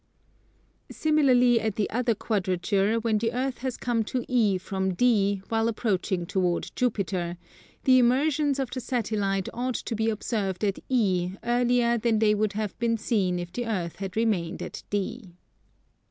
Similarly at the other quadrature when the earth has come to E from D while approaching toward Jupiter, the immersions of the Satellite ought to be observed at E earlier than they would have been seen if the Earth had remained at D.